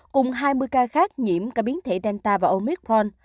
cùng hai mươi ca khác nhiễm cả biến thể danta và omicron